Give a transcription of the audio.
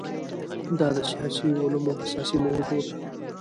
دا د سیاسي علومو اساسي موضوع ده.